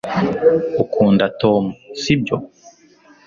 ukunda tom, sibyo